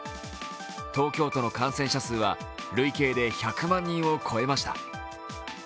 東京都の感染者数は累計で１００万人を超えました。